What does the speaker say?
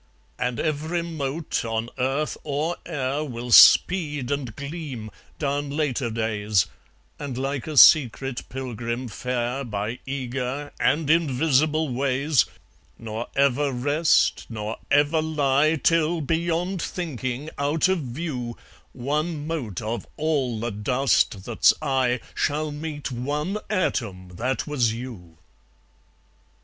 And every mote, on earth or air, Will speed and gleam, down later days, And like a secret pilgrim fare By eager and invisible ways, Nor ever rest, nor ever lie, Till, beyond thinking, out of view, One mote of all the dust that's I Shall meet one atom that was you.